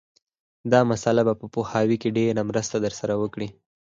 دا مسأله به په پوهاوي کې ډېره مرسته در سره وکړي